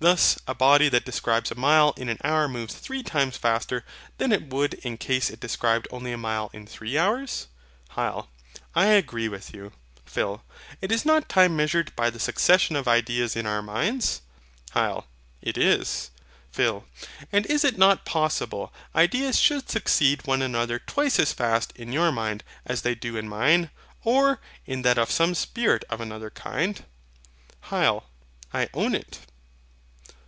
Thus a body that describes a mile in an hour moves three times faster than it would in case it described only a mile in three hours. HYL. I agree with you. PHIL. And is not time measured by the succession of ideas in our minds? HYL. It is. PHIL. And is it not possible ideas should succeed one another twice as fast in your mind as they do in mine, or in that of some spirit of another kind? HYL. I own it.